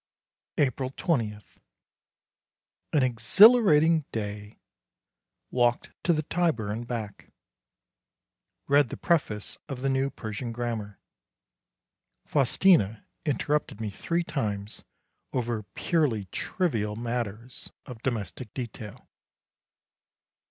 April 20. An exhilarating day. Walked to the Tiber and back. Read the preface of the new Persian grammar. Faustina interrupted me three times over purely trivial matters of domestic detail.